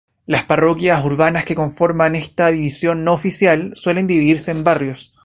Las parroquias urbanas que conforman esta división no oficial, suelen subdividirse en barrios.